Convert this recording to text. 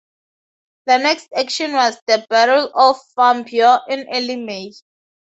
The next action was the Battle of Fombio in early May.